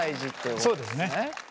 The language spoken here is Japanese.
そうですね。